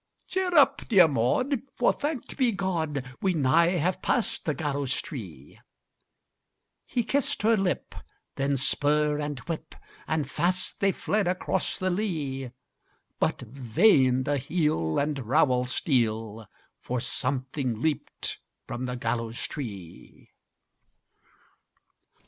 "Cheer up, dear Maud, for, thanked be God, We nigh have passed the gallows tree!" He kissed her lip; then spur and whip! And fast they fled across the lea! But vain the heel and rowel steel, For something leaped from the gallows tree!